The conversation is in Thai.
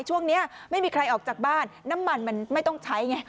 ช่วงนี้ไม่มีใครออกจากบ้านน้ำมันมันไม่ต้องใช้ไง